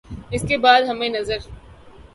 اس کے بعد ہمیں نظر